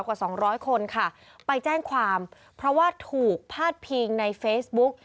กว่าสองร้อยคนค่ะไปแจ้งความเพราะว่าถูกพาดพิงในเฟซบุ๊ก